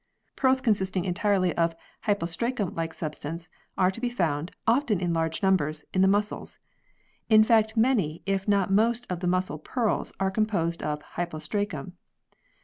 Pearls consisting entirely of hypostracum like substance are to be found, often in large numbers, in the muscles. In fact, many if not most of the muscle pearls are composed of hypostracum.